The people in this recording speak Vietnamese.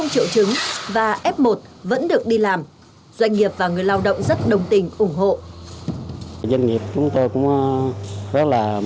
năm triệu chứng và f một vẫn được đi làm doanh nghiệp và người lao động rất đồng tình ủng hộ